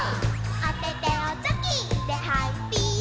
「おててをチョキでハイピース」